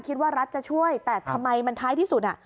คิดว่ารัฐจะช่วยแต่ทำไมมันท้ายที่สุด